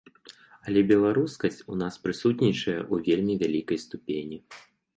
Але беларускасць у нас прысутнічае ў вельмі вялікай ступені.